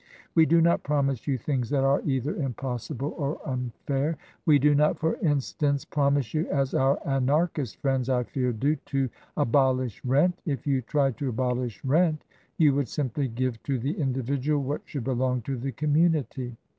We do not promise you things that are either impossible or unfair. We do not, for instance, promise you — as our Anarchist friends, I fear, do — ^to abolish Rent. If you tried to abolish Rent, you would simply give to the individual what should belong to the community.